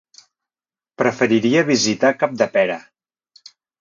Preferiria visitar Capdepera.